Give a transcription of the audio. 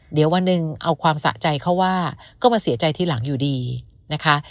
เดี๋ยววันหนึ่งเอาความสะใจเขาว่าก็มาเสียใจทีหลังอยู่ดีนะคะ